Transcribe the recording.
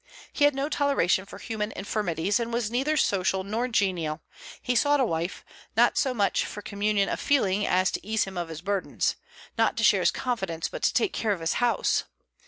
He had no toleration for human infirmities, and was neither social nor genial; he sought a wife, not so much for communion of feeling as to ease him of his burdens, not to share his confidence, but to take care of his house.